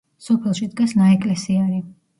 სოფელში დგას ნაეკლესიარი.